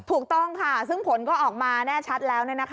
ถูกต้องค่ะซึ่งผลก็ออกมาแน่ชัดแล้ว